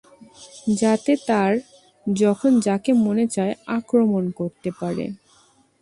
যাতে তার যখন যাকে মনে চায় আক্রমণ করতে পারে!